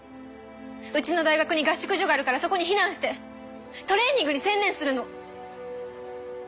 うちの大学に合宿所があるからそこに避難してトレーニングに専念するの。